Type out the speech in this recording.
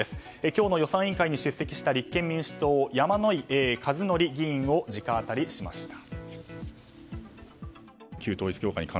今日の予算委員会に出席した立憲民主党、山井和則議員を直アタリしました。